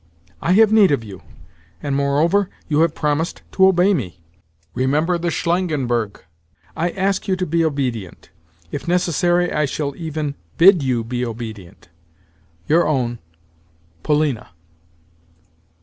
I have need of you, and, moreover, you have promised to obey me. Remember the Shlangenberg. I ask you to be obedient. If necessary, I shall even bid you be obedient.—Your own POLINA.